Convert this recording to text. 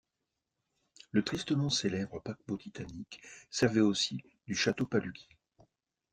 Le tristement célèbre paquebot Titanic servait aussi du Château Palugyay.